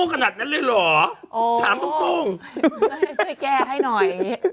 เกียร์ให้หน่อย